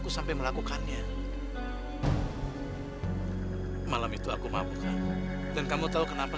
sampai jumpa di video selanjutnya